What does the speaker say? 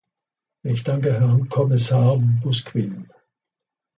Ich danke Herrn Kommissar Busquin.